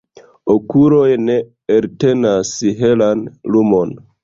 Okuloj ne eltenas helan lumon